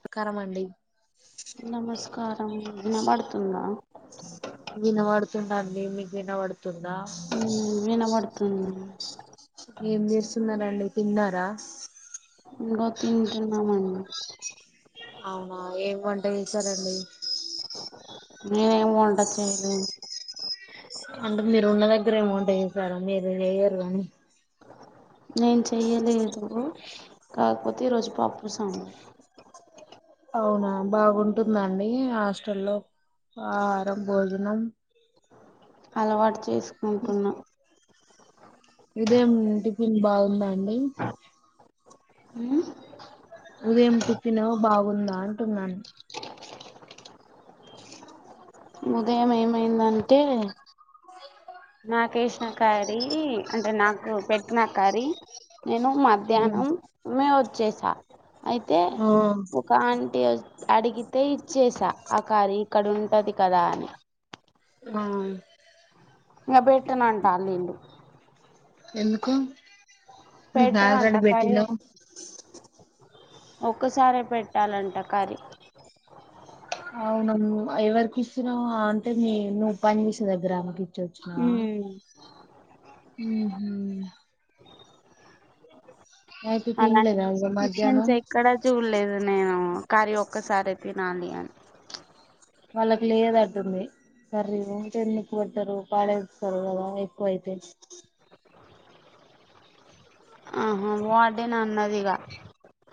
[unintelligible] అండి నమస్కారం వినపడ్తుందా వినబడుతుందండి మీకు వినబడుతుండా హ్మ్ వినబడుతుంది ఏం చేస్తున్నారండి తిన్నారా ఇంగో తింటున్నమన్ అవునా ఏం వంట చేసారండి నేనేం వంట చెయలే అంటే మీరు ఉన్న దగ్గర ఏం వంట చేసారు అండి మీరు చెయ్యరు కానీ నేను చెయ్యలేదు కాకపోతే ఈరోజు పప్పు సాంబా అవునా బాగుంటుందండి హాస్టలో ఆహారం భోజనం అలవాటు చేసుకుంటున్నా ఉదయం టిఫిన్ బాగుందా అండి ఊ ఉదయం టిఫిను బాగుందా అంటున్నాను ఉదయం ఏమైందంటే నాకేసిన కారి అంటే నాకు పెట్టిన కరి నేను మధ్యాహ్నమే వచ్చేసా అయితే ఆ ఒక ఆంటీ అడిగితే ఇచ్చేసా ఆ కారి ఇక్కడుంటది కదా అని ఆ ఇంకా పెట్టనంటాలు ఇళ్ళు ఎందుకు మీకు పెట్టరంట ఆల్రెడి కర్రీ పెట్టినా ఒక్కసారే పెట్టాలంట కర్రీ అవున ఎవరికి ఇచ్చినవు అంటే మీ నువ్వు పని చేసే దగ్గర ఆమెకి చ్చ ఉహు అయితే అలాంటి తినలేదా ఇగ రెస్ట్రిక్షన్స్ మధ్యాహ్నం ఎక్కడా చూడలేదు నేను కర్రీ ఒక్కసారే తినాలి అని వాళ్ళకి లేదటుంది కర్రీ ఉంటే ఎందుకు పెట్టరు పడేస్తారు కదా ఎక్కువ అయితే ఆహా వార్డెన్ అన్నది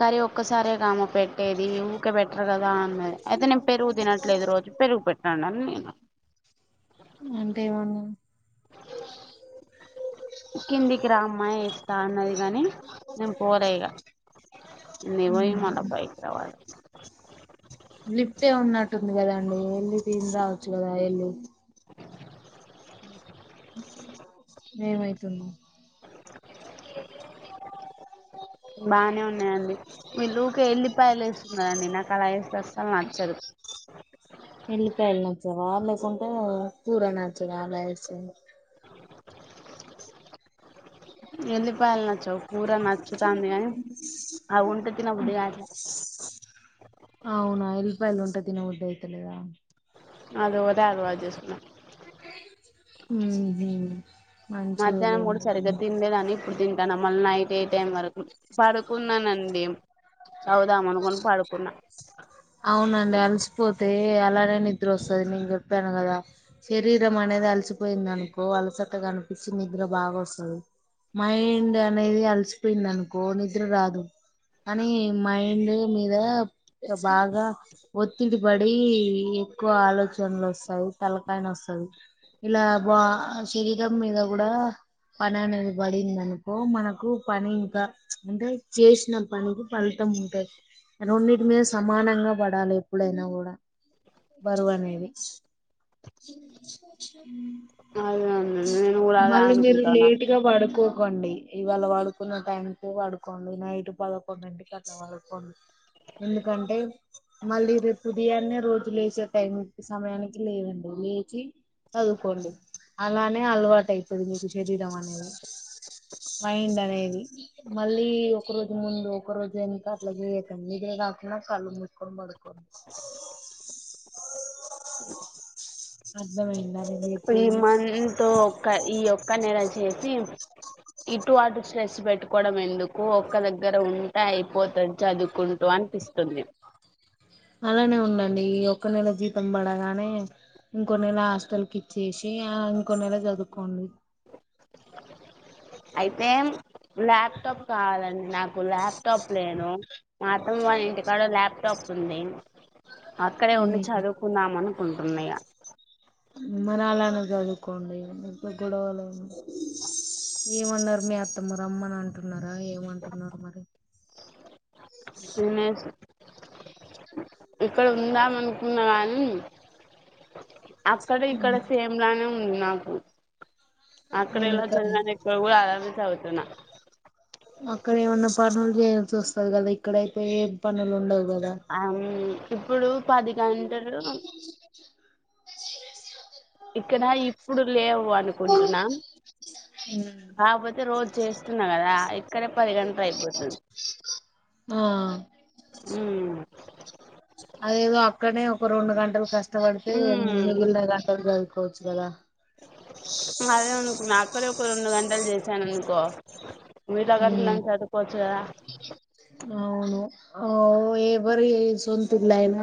కర్రీ ఒక్కసారే కామ పెట్టేది ఊకే పేటర్ కదా అ అయితే నేను పెరుగు తినట్లేదు రోజు పెరుగు పెట్టండి అని నేను అంటే ఏమన్న కిందికి రా అమ్మ వేస్తా అన్నది కాని నేను పోలేయిగా నేవోయి మళ్ళ పైకి రావాలే లిఫ్ట్ ఉన్నట్టుంది కదాండి ఎళ్ళి తిని రావచ్చు కదా ఎళ్ళి ఏమయితుంది బానే ఉన్నాయండి వీళ్లు ఊకె ఎళ్ళి ఉల్లిపాయలు వేస్తున్నాండి నాకు అలా ఏస్తే అసలు నచ్చదు వెళ్లిపాయలు నచ్చవ లేకుంటే కూర నచ్చద అలా ఏసింది ఏల్లిపాయలు నచ్చవ్ కురా నచ్చుతాంది కానీ అవి ఉంటే తినబుద్ధి కాట్లే ఉల్లిపాయలు ఉంటె తినబుద్ధి అయితలేదా అది ఒకటే అలవాటుచేసుకున్న ఉహు మధ్యాహ్నం కూడా సరిగ్గా మంచిదేలేండి తిన్లేదని తింటాన మళ్ళీ నైట్ ఏ టైం వరకు పడుకున్నానండి చదువుదామనుకొని పడుకున్నా అవునండి అలసిపోతే అలానే ని నిద్ర వస్తది నేను చెప్పాను కదా శరీరం అనేది అలిసిపోయిందనుకో అలస గనిపిచ్చి నిద్ర బాగ ఒస్తది మైండ్ అనేది అల్సిపోయింది అనుకో నిద్ర రాదు అనీ మైండ్ మీద చె బాగా ఒత్తిడి పడీ ఎక్కువ ఆలోచనలు ఒస్తవ్ తలకాయ నొస్తది ఇలా బా శరీరామ్ మీద గుడా పని అనేది బడింద అనుకో మనకు పని ఇంకా అంటే చేసిన పనికి ఫలితం అం ఉంటది రెండుటి మీద సమానంగా బడాలే ఎప్పుడైనా గూడా బరువనేేది అదే నేను కూడా అదే మళ్ళి మీరు అనుకుంటానా లేటుగ బడుకో కోండి ఇవాళ వడుకున్న టైంకే వడుకోండి నైట్ పదకొండింటికి అట్లా వడుకోండి ఎందుకంటే మళ్ళీ రేపు ఉదియాన్నే రోజు లేసే టైంకి సమయానికి లేవండి లేచి చదువుకోండి అలానే అలవాటు అయ్తది మీకు శరీరం అనేది మైండ్ అనేది మళ్ళీ ఒక రోజు ముందు ఒక రోజు ఎనుక అట్ల జేయకన్ నిదుర రా కెనా కళ్ళు మూసుకొని బడుకోన్ అర్థమైంది ఇప్పుడు ఈ మంథ్ ఒక్క ఈ ఒక్క నెల చేసి ఇటు అటు స్ట్రెస్ బెట్టుకోవడం ఎందుకు ఒక్క దగ్గర ఉంటే అయిపోతద్ చదువుకున్ టు అన్పిస్తుంది అలానే ఉండండి ఈ ఒక్క నెల జీతం బడగానే ఇంకో నెల హాస్టల్ కి ఇచ్చేసి ఆ ఇంకో నెల చదుకోండి అయితే ల్యాప్టాప్ కావాలండి నాకు ల్యాప్టాప్ లేను మా అత్తమ్మ వాళ్ ఇంటికాడ ల్యాప్టాప్ పు నేను అక్కడే ఉండి చదువుకుందాం అనుకుంటున్నా ఇయ మరి ఆల్లనే జదువుకోండి ఇంక గొడవలోనా ఏమున్నర్ మీ అత్తమ్మ రమ్మని అంటున్నా మరా ఏమంటున్నారు మరి తినేసి ఇక్కడ ఉందాం అనుకున్న గానీ అక్కడ ఇక్కడ సేమ్ లానే ఉంది నాకు అక్కడ ఎలా ఎందుకని జరానే కొ కూడ అలానే చవుతున్న అక్కడ ఏమన్న పనుల్ జేయాల్సొస్తది గదా ఇక్కడయితే ఏం పనులు ఉండవ్ ఆమ్ ఇప్పుడు పది గంటలు ఇక్కడా ఇప్పుడు లేవ్ అనుకుంటున్నా కాపోతే రోజు చేస్తున్న గదా అయ్ ఇక్కడ పది గంటలు అయిపోతుంది ఆ ఊ అదేదో అక్కడనే ఒక రెండు గంటలు కష్టవడితే ఉమ్ మిగిలిన గంటలు జదువుకోవచ్చు గదా ఉ అదే అనుకున్న అక్కరే ఒక రెండు గంటలు జేసాను అనుకో మీట్ల గాన్ట సదుకోచ్చు గదా అవును ఓ ఎవరి సొంతిల్లైనా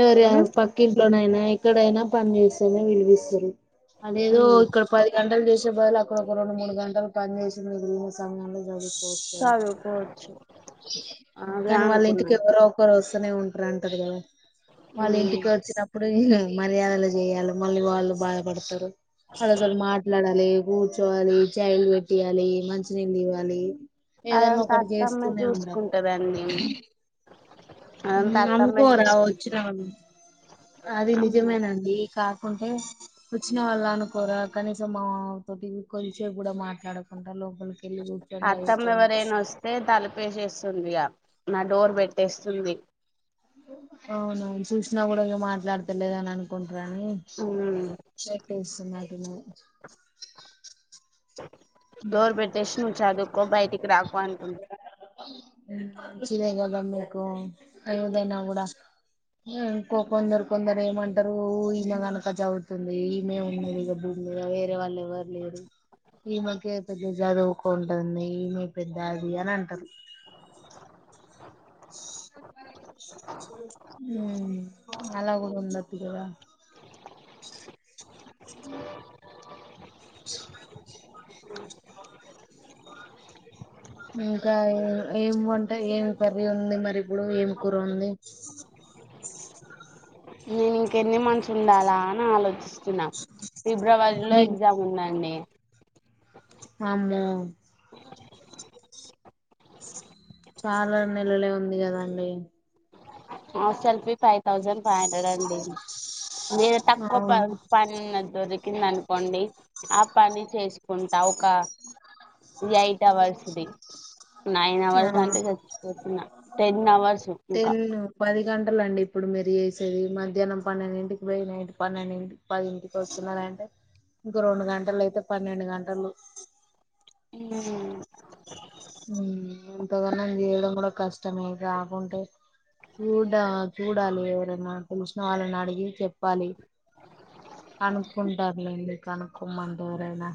ఎవరి పక్కింట్లోనైనా ఎక్కడైనా పన చేస్తేనే విలువిస్తరు అదేదో మ్మ్ ఇక్కడ పది గంటలు చేసే బదులు అక్కడ ఒక రెండు మూడు గంటలు పనిచేసంది మిలి సమయంలో చదువుకోవచ్చు అదే కాన్ వాళ్ళ అనుకున్నా ఇంటికి ఎవరో ఒకరు ఒస్ తనే ఉంటరు అంటరు గదా వాళ్ళు మ్మ్ ఇంటికి ఒచ్చినప్ ఇప్పుడు మర్యాదలు జెయ్యాలె మళ్ళీ వాళ్ళు బాధపడతరు వాళ్ళు అసలు మాట్లాడలే కూర్చోవాలి చాయ్ లు పెట్టియాలి మంచినీళ్ళు ఇవ్వాలి ఏదనా అదంతా ఒకటి అత్తమ్మే చేస్తూనే ఉండాలి చూసుకుంటదండి అదంతా అత్తమ్మే అమ్ముకోరా చూసుకుంట వచ్చినా అది నిజమేనండి కాక ఉంటే వచ్చిన వాళ్ళు అనుకోరా కనీసం మా తోటి కొదిసేపు కూడా మాట్లాడకుండా లోపలి అత్తమ్మ ఎవరైనా వస్తే తలపేసేస్తుందిగ నా డోర్ పెట్ తెస్తుంది అవును సూసినా కూడా నువ్వు మాట్లాడతలేదని అనుకు రాణీ మ్మ్ షేక్ పిలుస్తున్నాడు డోర్ పెట్టేసి నువ్వు చదువుకో బయటికి రాకు అంటుంది ఇచ్చేదేగద మీకు ఏదైనా కూడా ఇంకో కొందరు కొందరు ఏమంటరు ఈమె కనక చదువుతుంది ఈమె ఉండేది బు ఇగ వేరే వాళ్ళు ఎవర్లేరు ఈ మ ఇంకే పెద్ద చదువుకోంటుంది మీ పెద్ద అది అని అంటంది హ్మ్ అలాగూడ ఉండొచ్చు గదా అ ఇంకా ఏం వంట ఏమి కర్రి ఉంది మరి ఇప్పుడు ఏమి కూర ఉంది నేను ఇంక ఎన్ని మంత్స్ ఉండాలా అని ఆలోచిస్ తున్నా ఫిబ్రవరిలో మీ ఎగ్జామ్ ఉందండి అమ్మో చాలా నెలలే ఉంది కదండి హ selfie five thousand five hundred అండి ఏ తక్కువ ప అవును పని దొరికిందనుకోండి ఆ పని చేసుకుంటా ఒక ఈ ఎయిట్ అవర్స్ది నైన్ అవర్స్ ఆ అంటే చచ్చిపోతున్నా టెన్ అవర్స్ ఇంకా టలండి ఇప్పుడు మీరు చేసేది మధ్యాహ్నం పన్నెండింటికి పోయి నైట్ పన్నెండింటికి పదింటికి వస్తున్నారంటే ఇంకో రెండు గంటలు అయితే పన్నెండు గంటలు హ్మ్ హ్మ్ ఇంతకన్నా చేయడం కూడా కష్టమే కాకుంటే రూడ చూడాలి ఎవరనా తెలిసినా వాళ్ళని అడిగి చెప్పాలి కనుక్కుంటారులేండి కనుక్కోమంటే ఎవరైనా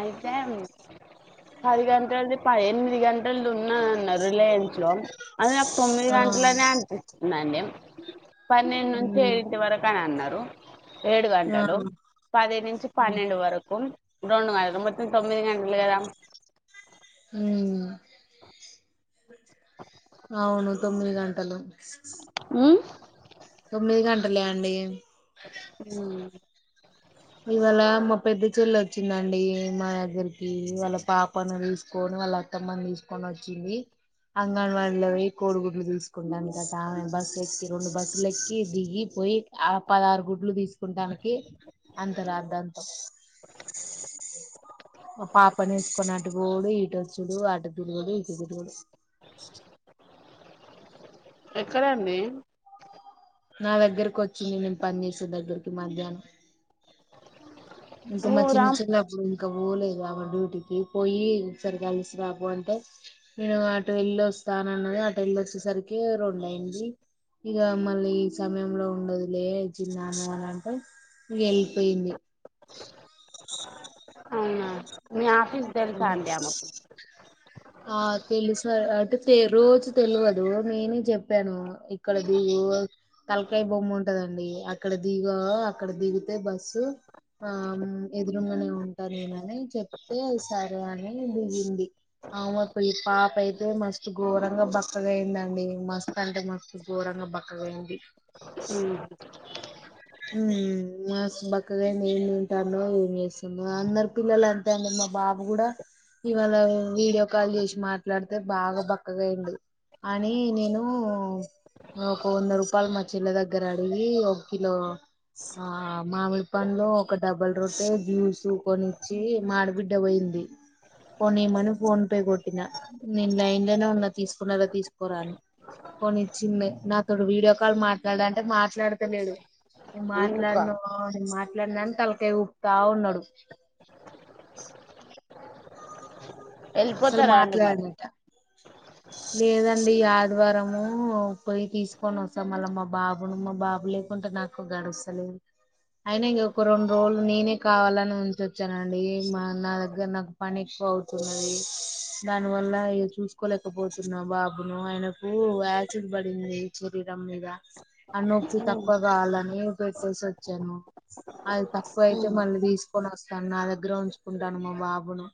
అయితే పది గంటలది పది ఎనిమిది గంటలు ది ఉం ఉన్నాదన్నారు రిలయన్స్ లో అది నాకు తొమ్మిది ఆ గంటలనే అనిపిస్తుందండి పన్నెండు నుంచి ఉమ్ ఏడింటి వరకు అని అన్నారు ఏడు ఆ గంటలు పది నుంచి పన్నెండు వరకు రెండు [unintelligible] మొత్తం తొమ్మిది గంటలు గదా హ్మ్ అవును తొమ్మిది గంటలు హ్మ్ తొమ్మిది గంటలే అండి హ్మ్ ఇవాళ మా పెద్ద చెల్లి వచ్చిందండి మా దగ్గరికి వాళ్ళపాపను తీసుకోని వాళ్ళ అత్తమ్మని తీసుకొని వచ్చింది అంగన్వాడీలో పోయి కోడిగుడ్లు తీసుకుంటానికట ఆమె బస్సులు ఎక్కి రెండు బస్సులు ఎక్కి దిగి పొయ్యి ఆ పదారు గుడ్లు తీసుకుంటానికి అంత రాద్ధాంతం మా పాపనేసుకొని అటుబోవుడు ఇటొచ్చుడు అటు దుడుగుడు ఇటు దుడుగుడు ఎక్కడండి నా దగ్గరకొచ్చింది నేను పని చేేసే దగ్గరికి మధ్యానం ఇంక మా చిన్ ఊరా చిన్నప్పుడు ఇంక పోలే గాని డ్యూటీకి పొయ్యి ఒకసారి కలిసి రాపో అంటే నేను అటు వెళ్లి స్థానన్నది అటెల్లొచ్చేసరికే రొండైంది ఇగ మళ్ళీ ఈ సమయం లో ఉండదులే ఈ పిల్లా అంటే ఇగైపొయింది అవునా మీ ఆఫీస్ తెలుసా అండి ఆమెకు ఆ తెలుస్ అంటే తె రోజు తెలువదు నేనే చెప్పాను ఇక్కడ దువ్వు తలకాయ్ బొమ్మ ఉంటదండి అక్కడ దిగా అక్కడ దిగితే బస్సు ఎదురుంగానే ఉంటా నేనని చెప్తే సరే అని దిగింది అవుమప్ ఈ పాపైతే మస్తు ఘోరంగా బక్కగా అయిందండి మస్త్ అంటే మస్తు ఘోరం ఇంగా బక్కగైంది ఉమ్ మ్మ్ మస్ బక్కగైంది ఏం తింటాందో ఏం చేస్తుం అందరి పిల్లలంతే అండి మా బాబు గుడా ఇవాళ వీడియో కాల్ జేషి మాట్లాడితే బాగ బక్కగైండు అని నేను ఒక వంద రూపాలు మా చిల్ల దగ్గర అడిగి ఒక కిలో ఆ మామిడి పండ్లు ఒక డబల్ రొట్టే జ్యూస్ కొనిచ్చి మాడబిడ్డ బొయింది కొనీమని ఫోన్ పే కొట్టిన నేను లైన్లోనే ఉన్నా తీసుకున్నడ తీసుకోరాని కొన్నిచ్చింది నా కడు వీడియో కాల్ మాట్లాడ అంటే మాట్లాడత లేడు నే ఎందుకో మాట్లాడ్ను నేన్ మాట్లాడనని తలకాయ్ ఉప్తా ఉన్నాడు అసలు వెళ్ళిపోతారా అండి మరి మాట్లాడ్నట లేదండి ఈ ఆదివారము పొయి తీసుకోనొస్తా మళ్ళా మా బాబును మా బాబు లేకు కుంటే నాకు గాడొస్తలేదు అయినా ఇంగొక రొండు రోలు నేనే కావాలని ఉంచొచ్చానండి ఏ మా నా దగ్గర నాకు పని బౌచున్నది దాని వల్ల ఇగ చూసుకోలేకపోతున్నా బాబును ఆయనకు యాసిడ్ బడింది అ నొప్పి తక్కువ గావాలని పెట్టేసొచ్చాను అది తక్కువ అయితే మళ్ళీ తీసుకొని వస్తాను నా దగ్గర ఉంచుకుంటాను మా బాబును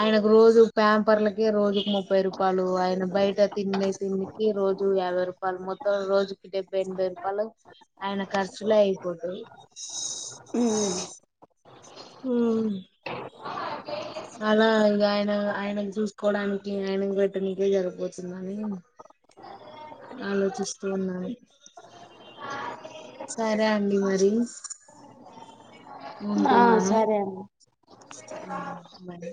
ఆయనకు రోజు ప్యాంపర్లకి రోజుకు ముప్పై రుపాలు ఆయన బైట తిన్నే తిండికి రోజు యావై రుపాలు మొత్తం రోజుకి డెబ్బై ఎనభై రుపాలు ఆయన ఖర్చులే అయిపోతయి అ హ్మ్ అలా ఇగ ఆయన ఆయనకు చూసుకోవడానికి ఆయనకి పెట్టనీకే జరుపోతుందని ఆలోచిస్తూ ఉన్నాయి సరే అండి మరి ఆ ఉంటున్నాను సరే అండి మరి